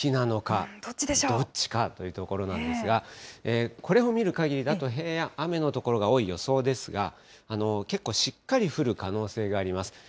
どっちかというところなんですが、これを見るかぎりだと、平野、雨の所が多い予想ですが、結構しっかり降る可能性があります。